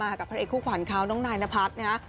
กับพระเอกคู่ขวัญเขาน้องนายนพัฒน์นะฮะ